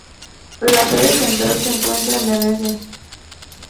La sede central se encuentra en Venecia.